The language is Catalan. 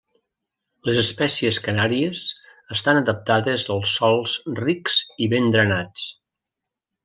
Les espècies Canàries estan adaptades als sòls rics i ben drenats.